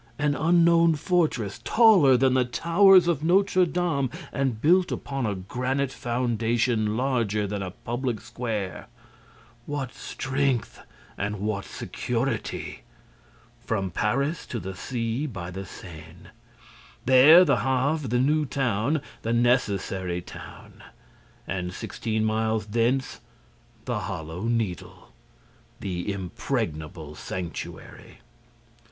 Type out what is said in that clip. An unknown fortress, taller than the towers of Notre Dame and built upon a granite foundation larger than a public square! What strength and what security! From Paris to the sea, by the Seine. There, the Havre, the new town, the necessary town. And, sixteen miles thence, the Hollow Needle, the impregnable sanctuary!